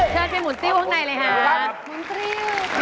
เชิญไปหมุนติ้วข้างในเลยค่ะหมุนติ้ว